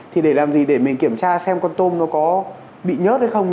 thì để làm gì để mình kiểm tra xem con tôm nó có bị nhớt hay không